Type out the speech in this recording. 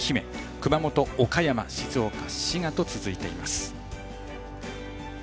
熊本、岡山静岡、滋賀と続いています。